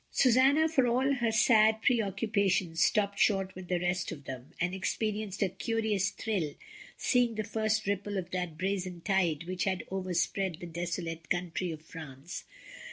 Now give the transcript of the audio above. Susanna for all her sad preoccupations stopped short with the rest of them, and experienced a curious thrill seeing the first ripple of that brazen tide which had overspread the desolate country of France.